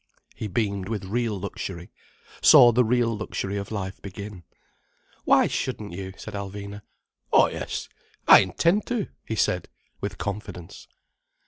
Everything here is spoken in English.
He beamed with real luxury, saw the real luxury of life begin. "Why shouldn't you?" said Alvina. "Oh yes, I intend to," he said, with confidence.